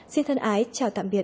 xin thân ái chào tạm biệt